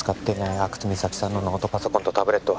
阿久津実咲さんのノートパソコンとタブレットは？